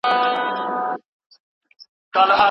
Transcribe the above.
خدای پخپله دی ورکړی اسماني همت عنقا ته